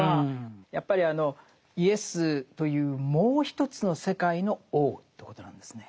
やっぱりあのイエスというもう一つの世界の王ということなんですね。